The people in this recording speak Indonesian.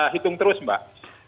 hitung terus mbak